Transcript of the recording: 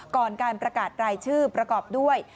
ก่อนการประกาศรายชื่อประกอบด้วย